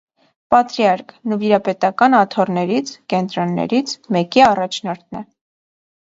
Պատրիարք՝ նվիրապետական աթոռներից (կենտրոններից) մեկի առաջնորդն է։